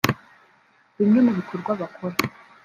Bimwe mu bikorwa bakora